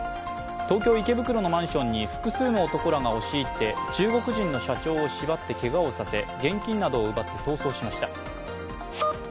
東京・池袋のマンションに複数の男らが押し入って中国人の社長を縛ってけがをさせ現金などを奪って逃走しました。